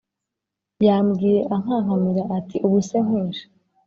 Yambwiye ankankamira ati ubu se nkwishe